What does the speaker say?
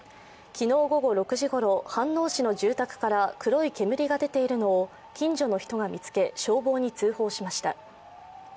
昨日午後６時頃、飯能市の住宅から黒い煙が出ているのを近所の人が見つけ消防に通報しました。